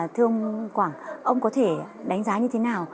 thưa ông quảng ông có thể đánh giá như thế nào